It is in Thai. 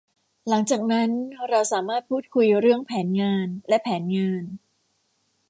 หลังจากนั้นเราสามารถพูดคุยเรื่องแผนงานและแผนงาน